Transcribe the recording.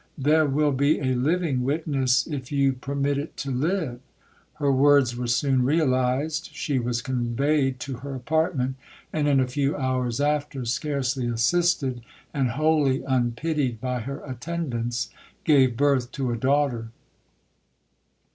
there will be a living witness—if you permit it to live!' Her words were soon realized; she was conveyed to her apartment, and in a few hours after, scarcely assisted and wholly unpitied by her attendants, gave birth to a daughter.